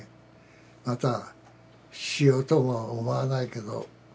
またしようとも思わないけど。